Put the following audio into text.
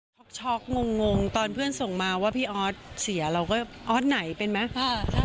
ช็อกงงตอนเพื่อนส่งมาว่าพี่ออสเสียเราก็ออสไหนเป็นไหม